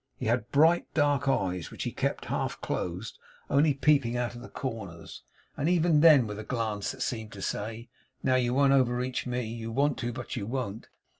He had bright dark eyes, which he kept half closed; only peeping out of the corners, and even then with a glance that seemed to say, 'Now you won't overreach me; you want to, but you won't.